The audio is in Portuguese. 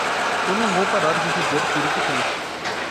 Eu não vou parar de dizer tudo o que penso.